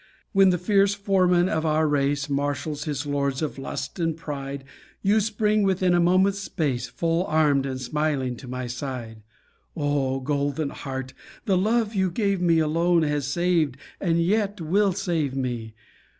When the fierce foeman of our race Marshals his lords of lust and pride, You spring within a moment's space, Full armed and smiling to my side; O golden heart! The love you gave me Alone has saved and yet will save me.